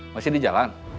masih di jalan